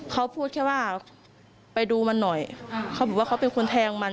เขาบอกว่าเขาเป็นคนแทงมัน